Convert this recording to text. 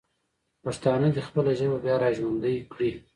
پښتانه دې خپله ژبه بیا راژوندی کړي.